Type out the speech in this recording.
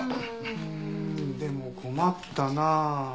うんでも困ったなあ。